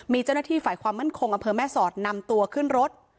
มีเจ้าหน้าที่ฝ่ายความมั่นคงอำเภอแม่สอดนำตัวขึ้นรถ